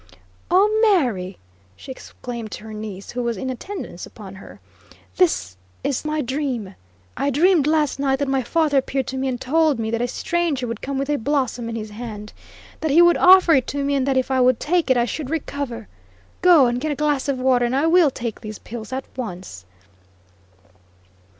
"O, Mary!" she exclaimed to her niece, who was in attendance upon her, "this is my dream! I dreamed last night that my father appeared to me and told me that a stranger would come with a blossom in his hand; that he would offer it to me, and that if I would take it I should recover. Go and get a glass of water and I will take these pills at once."